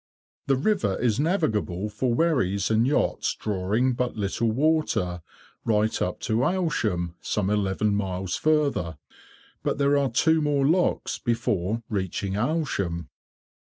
The river is navigable for wherries and yachts drawing but little water, right up to Aylsham, some eleven miles further; but there are two more locks before reaching Aylsham.